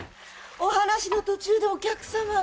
お話の途中でお客様が。